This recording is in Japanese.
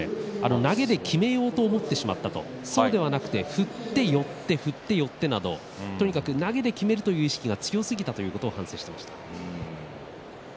投げできめようと思ってしまったそうではなくて振って寄って振って寄ってなどとにかく投げできめるという意識が強すぎたと反省していました。